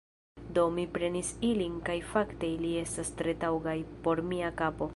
Do, mi prenis ilin kaj fakte ili estas tre taŭgaj por mia kapo